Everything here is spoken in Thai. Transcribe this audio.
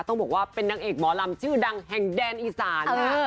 ต้องบอกว่าเป็นนางเอกหมอลำชื่อดังแห่งแดนอีสานนะ